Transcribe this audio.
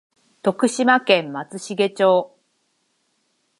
徳島県松茂町